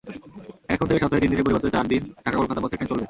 এখন থেকে সপ্তাহে তিন দিনের পরিবর্তে চার দিন ঢাকা-কলকাতা পথে ট্রেন চলবে।